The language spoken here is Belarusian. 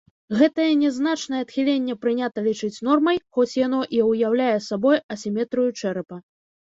Гэтае нязначнае адхіленне прынята лічыць нормай, хоць яно і ўяўляе сабой асіметрыю чэрапа.